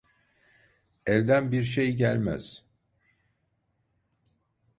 Elden bir şey gelmez.